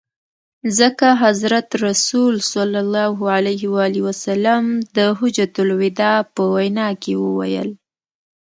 ځکه حضرت رسول ص د حجة الوداع په وینا کي وویل.